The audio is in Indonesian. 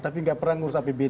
tapi nggak pernah ngurus apbd